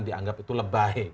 dianggap itu lebay